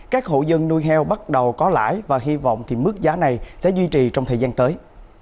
các hộ dân nuôi heo bắt đầu có lãi và hy vọng thì mức giá này sẽ duy trì trong thời gian tới